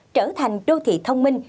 trở thành đô thị thông minh